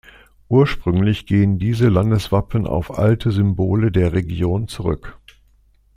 Ursprünglich gehen diese Landeswappen auf alte Symbole der Region zurück.